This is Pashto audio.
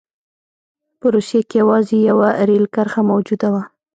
په روسیه کې یوازې یوه رېل کرښه موجوده وه.